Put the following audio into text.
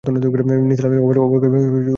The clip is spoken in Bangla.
নিসার আলি অবাক হয়ে দরজা খুললেন।